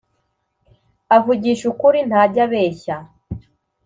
Avugisha ukuri, ntajya abeshya